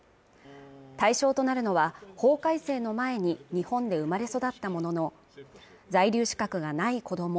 対象となるのは法改正の前に日本で生まれ育ったものの在留資格がない子ども